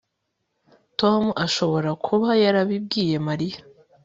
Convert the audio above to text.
Tom ashobora kuba yarabibwiye Mariya